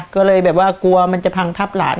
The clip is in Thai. ก็เลยแบบว่ากลัวมันจะพังทับหลาน